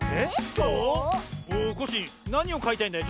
コッシーなにをかいたいんだい？